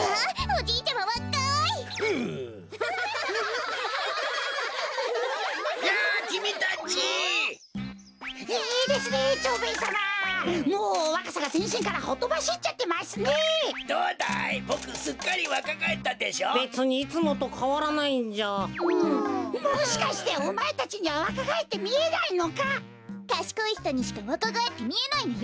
ひとにしかわかがえってみえないのよ。